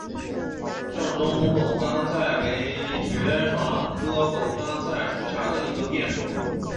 滇中狗肝菜为爵床科狗肝菜属下的一个变种。